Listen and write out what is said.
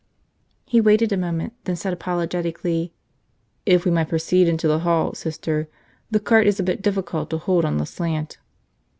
He waited a moment, then said apologetically, "If we might proceed into the hall, Sister – the cart is a bit difficult to hold on the slant."